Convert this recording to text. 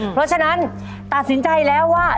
เพราะฉะนั้นตัดสินใจแล้วว่า